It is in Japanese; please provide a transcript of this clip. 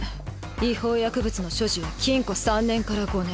違法薬物の所持は禁錮３年から５年。